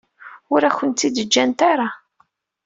Ur akent-tt-id-ǧǧant ara.